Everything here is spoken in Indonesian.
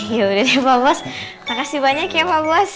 ya udah deh pak bos makasih banyak ya pak bos